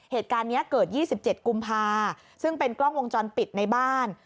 เหตุการณ์เนี้ยเกิดยี่สิบเจ็ดกุมภาซึ่งเป็นกล้องวงจรปิดในบ้าน